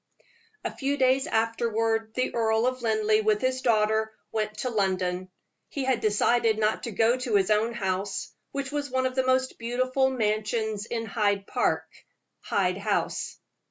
A few days afterward the Earl of Linleigh, with his daughter, went to London. He had decided not to go to his own house, which was one of the most beautiful mansions in Hyde Park Hyde House.